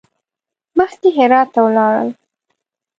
مخکې هرات ته ولاړل.